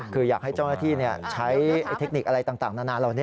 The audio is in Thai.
คืออยากให้เจ้าหน้าที่ใช้เทคนิคอะไรต่างนานาเหล่านี้